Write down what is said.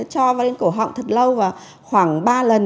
cho vào lên cổ họng thật lâu và khoảng ba lần